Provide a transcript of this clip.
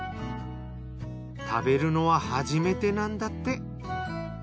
食べるのは初めてなんだって。